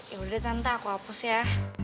yaudah nanti aku hapus ya